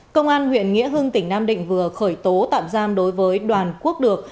công an huyện nghĩa hưng tỉnh nam định vừa khởi tố tạm giam đối với đoàn quốc được